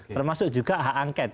termasuk juga hak angket